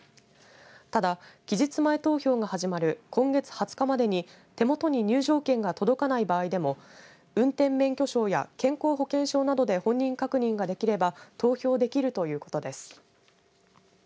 ただ、期日前投票が始まる今月２０日までに手元に入場券が届かない場合でも運転免許証や健康保険証などで本人確認ができれば投票できるということです。